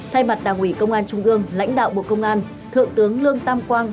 thay mặt đảng ủy công an trung ương lãnh đạo bộ công an thượng tướng lương tam quang